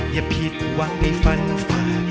อย่าผิดหวังในฝัน